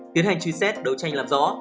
tiến hành truy xét đấu tranh làm rõ